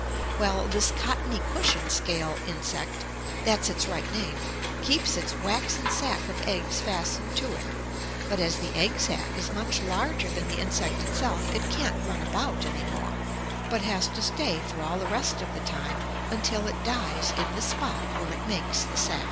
Well, this cottony cushion scale insect that's its right name keeps its waxen sac of eggs fastened to it, but as the egg sac is much larger than the insect itself, it can't run about any more, but has to stay for all the rest of the time until it dies in the spot where it makes the sac.